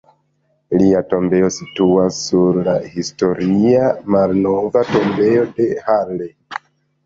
Lia tombo situas sur la historia Malnova tombejo de Halle.